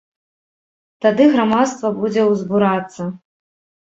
Тады грамадства будзе ўзбурацца.